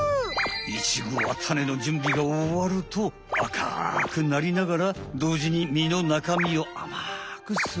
イチゴはタネのじゅんびがおわると赤くなりながらどうじに実のなかみをあまくする。